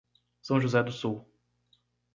São José do Sul